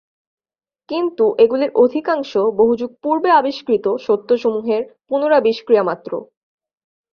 কিন্তু এগুলির অধিকাংশ বহুযুগ পূর্বে আবিষ্কৃত সত্যসমূহের পুনরাবিষ্ক্রিয়ামাত্র।